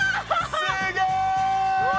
すげえ！わ！